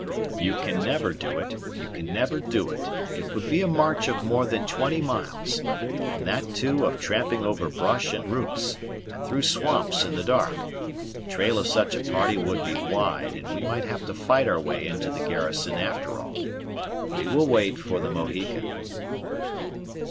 "You can never do it; you can never do it. It would be a march of more than twenty miles, and that, too, of tramping over brush and roots, and through swamps, in the dark; the trail of such a party would be wide, and we might have to fight our way into the garrison after all. We will wait for the Mohican."